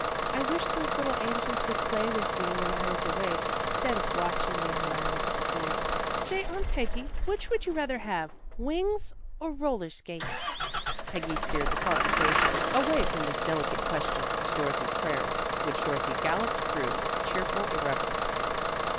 "I wish those little angels would play with me when I was awake, 'stead of watching me when I was asleep. Say, Aunt Peggy, which would you rather have, wings or roller skates?" Peggy steered the conversation away from this delicate question to Dorothy's prayers, which Dorothy galloped through with cheerful irreverence.